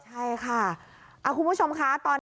ใช่ค่ะคุณผู้ชมค่ะ